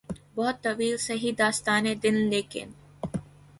بہت طویل سہی داستانِ دل ، لیکن